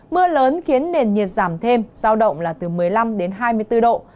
mưa lớn khiến nền nhiệt giảm thêm giao động là từ một mươi năm đến hai mươi bốn độ